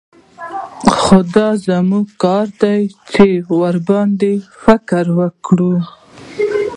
خو دا زموږ کار دى چې ورباندې فکر وکړو.